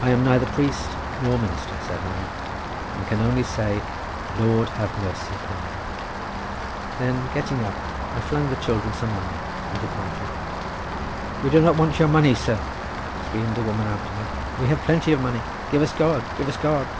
"I am neither priest nor minister," said I, "and can only say: Lord have mercy upon you!" Then getting up I flung the children some money and departed. "We do not want your money, sir," screamed the woman after me; "we have plenty of money. Give us God! give us God!"